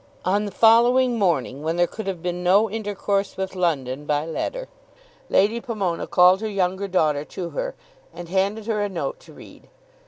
On the following morning, when there could have been no intercourse with London by letter, Lady Pomona called her younger daughter to her, and handed her a note to read.